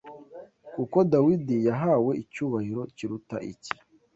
kuko Dawidi yahawe icyubahiro kiruta icye